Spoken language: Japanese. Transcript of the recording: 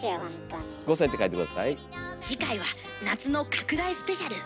次回は「夏の拡大スペシャル」。